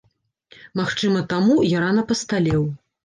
Магчыма таму, я рана пасталеў.